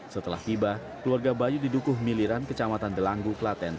setelah tiba keluarga bayu didukuh miliran kecamatan delanggu klaten